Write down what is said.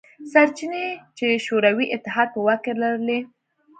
سرچینې چې شوروي اتحاد په واک کې لرلې.